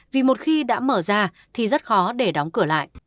vì một khi đã mở ra thì rất khó để đóng cửa lại